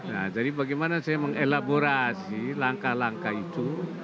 nah jadi bagaimana saya mengelaborasi langkah langkah itu